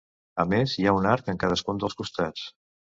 A més hi ha un arc en cadascun dels costats.